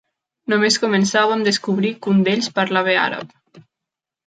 Només començar, vam descobrir que un d'ells parlava àrab.